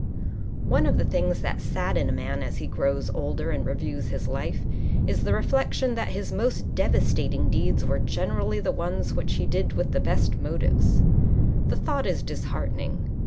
_ One of the things that sadden a man as he grows older and reviews his life is the reflection that his most devastating deeds were generally the ones which he did with the best motives. The thought is disheartening.